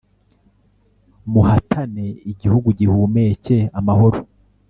Muhatane igihugu gihumeke amahoro